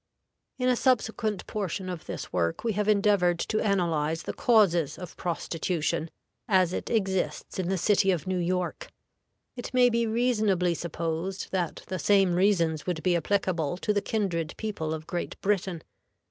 In a subsequent portion of this work we have endeavored to analyze the causes of prostitution as it exists in the city of New York. It may be reasonably supposed that the same reasons would be applicable to the kindred people of Great Britain.